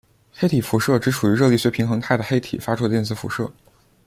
黑体辐射指处于热力学平衡态的黑体发出的电磁辐射。